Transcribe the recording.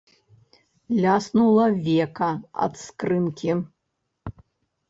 Ляснула века ад скрынкі.